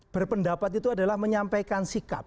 berpendapat itu adalah menyampaikan sikap